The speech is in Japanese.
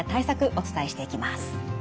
お伝えしていきます。